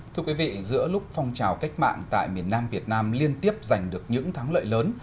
thưa quý vị giữa lúc phong trào cách mạng tại miền nam việt nam liên tiếp giành được những thắng lợi lớn